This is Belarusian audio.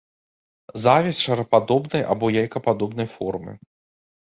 Завязь шарападобнай або яйкападобнай формы.